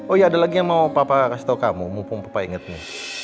oh ya ada lagi yang mau papa kasih tau kamu mumpung papa ingetnya